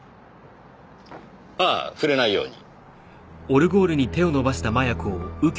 ああ触れないように。